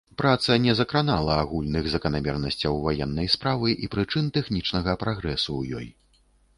Праца не закранала агульных заканамернасцяў ваеннай справы і прычын тэхнічнага прагрэсу ў ёй.